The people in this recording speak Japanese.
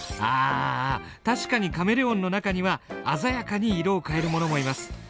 あ確かにカメレオンの中には鮮やかに色を変える者もいます。